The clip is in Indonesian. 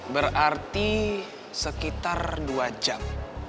berarti sekitar dua jam